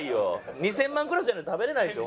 ２０００万クラスじゃないと食べれないでしょ。